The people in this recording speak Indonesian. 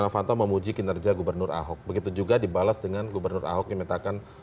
novanto memuji kinerja gubernur ahok begitu juga dibalas dengan gubernur ahok yang metakan